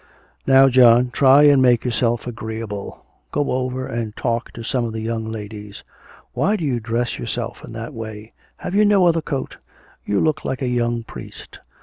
'Now, John, try and make yourself agreeable; go over and talk to some of the young ladies. Why do you dress yourself in that way? Have you no other coat? You look like a young priest.